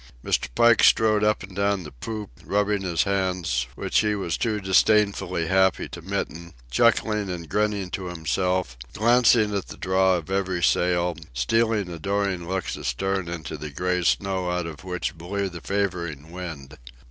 Mr. Pike strode up and down the poop, rubbing his hands, which he was too disdainfully happy to mitten, chuckling and grinning to himself, glancing at the draw of every sail, stealing adoring looks astern into the gray of snow out of which blew the favouring wind.